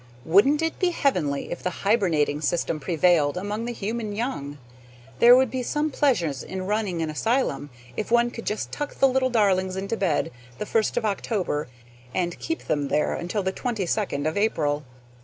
Wouldn't it be heavenly if the hibernating system prevailed among the human young? There would be some pleasure in running an asylum if one could just tuck the little darlings into bed the first of October and keep them there until the twenty second of April.